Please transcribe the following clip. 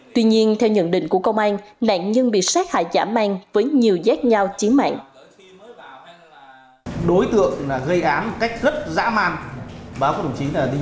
tuy nhiên theo nhận định của công an nạn nhân bị sát hại dã man với nhiều giác nhau chiến mạng